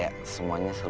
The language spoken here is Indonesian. aku melihatnya gue